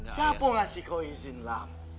siapa ngasih kau izin lam